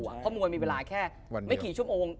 เพราะมวยมีเวลาแค่ไม่กี่ชั่วโมง